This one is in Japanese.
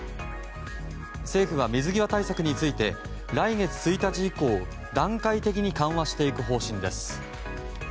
政府は水際対策について来月１日以降段階的に緩和していく方針です。